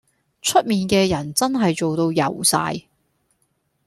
出面嘅人真係做到油晒